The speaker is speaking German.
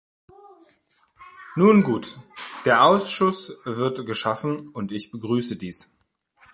Nun gut, der Ausschuss wird geschaffen, und ich begrüße dies!